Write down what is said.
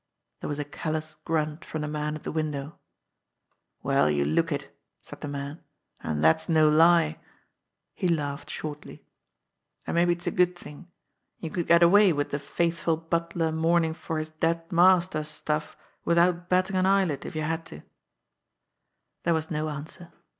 There was a callous grunt from the man at the window. "Well, you look it !" said the man. "And that's no lie !" He laughed shortly. "And maybe it's a good thing. You could get away with the faithful butler mourning for his dead master stuff without batting an eyelid, if you had to." There was no answer.